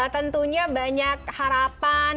tentunya banyak harapan